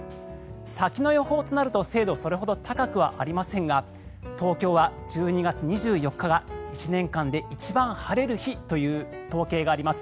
先の予報となると精度、さほど高くありませんが東京は１２月２４日が１年間で一番晴れる日という統計があります。